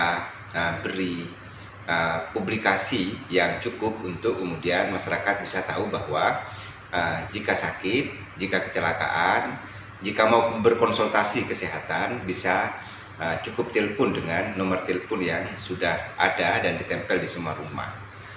kita beri publikasi yang cukup untuk kemudian masyarakat bisa tahu bahwa jika sakit jika kecelakaan jika mau berkonsultasi kesehatan bisa cukup telepon dengan nomor telepon yang sudah ada dan ditempel di semua rumah